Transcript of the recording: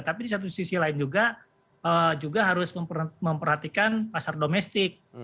tapi di satu sisi lain juga harus memperhatikan pasar domestik